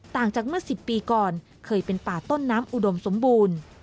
ต่างจากเมื่อ๑๐ปีก่อนเคยเป็นป่าต้นน้ำอุดมสมบูรณ์